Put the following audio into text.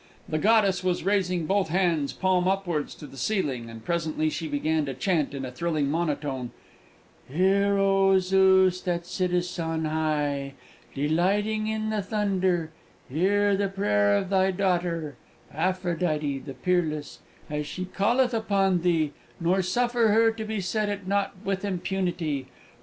The goddess was raising both hands, palm upwards, to the ceiling, and presently she began to chant in a thrilling monotone: "Hear, O Zeus, that sittest on high, delighting in the thunder, hear the prayer of thy daughter, Aphrodite the peerless, as she calleth upon thee, nor suffer her to be set at nought with impunity!